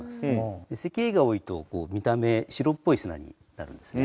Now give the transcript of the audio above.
石英が多いと見た目白っぽい砂になるんですね。